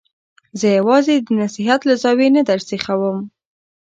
زه یې یوازې د نصحت له زاویې نه درسیخوم.